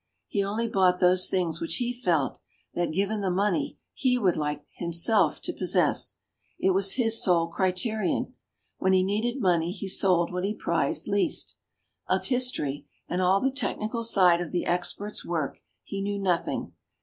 He only bought those things which he THE LONDONER 67 felt that, sriven the money, he would like himself to possess. It was his sole criterion. When he needed money he sold what he prized least. Of his tory, and all the technical side of the expert's work, he knew nothing.